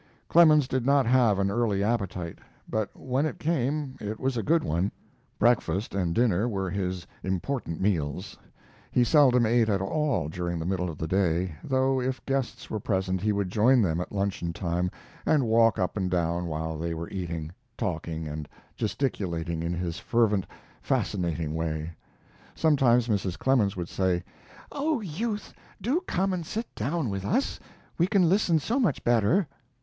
Clemens did not have an early appetite, but when it came it was a good one. Breakfast and dinner were his important meals. He seldom ate at all during the middle of the day, though if guests were present he would join them at luncheon time and walk up and down while they were eating, talking and gesticulating in his fervent, fascinating way. Sometimes Mrs. Clemens would say: "Oh, Youth, do come and sit down with us. We can listen so much better."